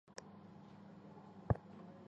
亦有说法认为他在道明寺之役即已战死。